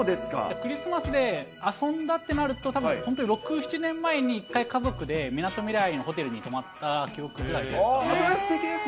クリスマスで遊んだってなると、たぶん、本当、６、７年前に一回家族でみなとみらいのホテルに泊まった記憶くらいでそれはすてきですね。